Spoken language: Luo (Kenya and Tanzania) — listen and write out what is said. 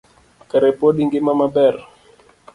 Kare pod ingima maber.